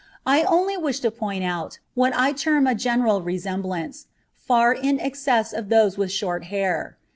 I only wish to point out what I term a general resemblance, far in excess of those with short hair.